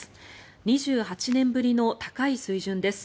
２８年ぶりの高い水準です。